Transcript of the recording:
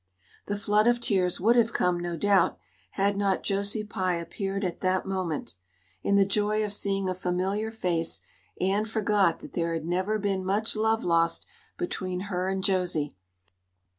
The flood of tears would have come, no doubt, had not Josie Pye appeared at that moment. In the joy of seeing a familiar face Anne forgot that there had never been much love lost between her and Josie.